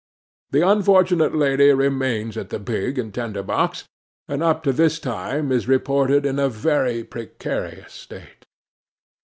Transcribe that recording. The unfortunate lady remains at the Pig and Tinder box, and up to this time is reported in a very precarious state.